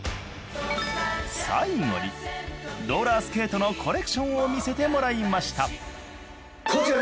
最後にローラースケートのコレクションを見せてもらいました